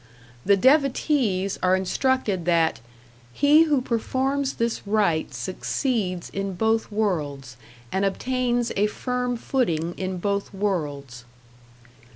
The devotees are instructed that "he who performs this rite succeeds in both worlds, and obtains a firm footing in both worlds."